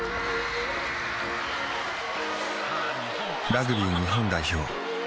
・ラグビー日本代表